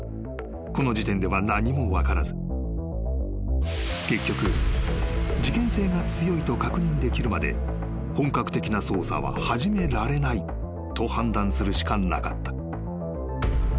［この時点では何も分からず結局事件性が強いと確認できるまで本格的な捜査は始められないと判断するしかなかった］